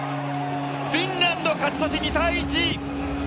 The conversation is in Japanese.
フィンランド勝ち越し、２対１。